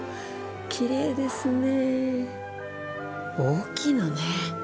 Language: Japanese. きれいですね。大きいのね。